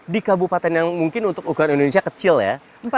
di kabupaten yang mungkin untuk ukuran indonesia kecil ya